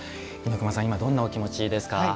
猪熊さん、今どんなお気持ちですか？